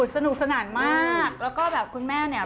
สนุกสนานมากแล้วก็แบบคุณแม่เนี่ย